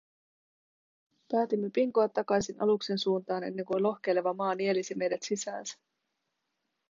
Päätimme pinkoa takaisin aluksen suuntaan, ennen kuin lohkeileva maa nielisi meidät sisäänsä.